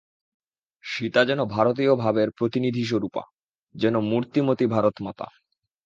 সীতা যেন ভারতীয় ভাবের প্রতিনিধিস্বরূপা, যেন মূর্তিমতী ভারতমাতা।